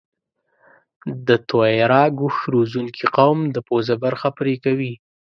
د تویراګ اوښ روزنکي قوم د پوزه برخه پرې کوي.